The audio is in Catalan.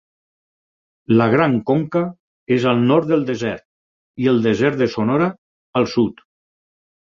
La Gran Conca és al nord del Desert, i el Desert de Sonora al sud.